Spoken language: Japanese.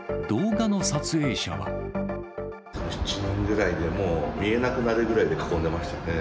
７、８人ぐらいで、もう見えなくなるくらい囲んでましたね。